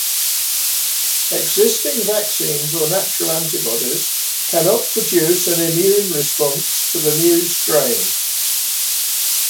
Existing vaccines or natural antibodies cannot produce an immune response to the new strain.